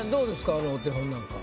あのお手本なんか。